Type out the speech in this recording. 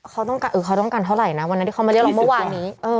เขาต้องการเขาต้องการเท่าไหร่นะวันนั้นที่เขามาเรียกร้องเมื่อวานนี้